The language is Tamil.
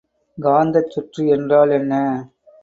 காந்தச் சுற்று என்றால் என்ன?